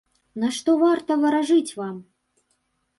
На што варта варажыць вам?